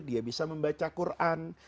dia bisa membaca quran